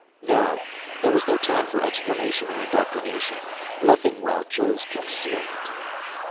No, there was no time for explanation or indoctrination. Leffingwell chose concealment."